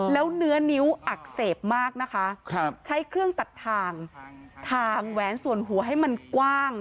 แล้วเนื้อนิ้วอักเสบมากนะคะใช้เครื่องตัดทางทางแหวนส่วนหัวให้มันกว้าง